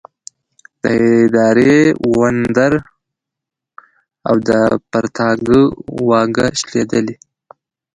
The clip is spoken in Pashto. د اداري وندر او د پرتاګه واګه شلېدلې ده.